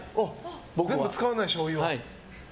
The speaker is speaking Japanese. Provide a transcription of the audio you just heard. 全部使わない、しょうゆを。